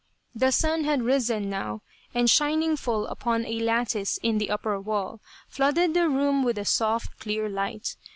The sun had risen, now, and shining full upon a lattice in the upper wall, flooded the room with a soft clear light.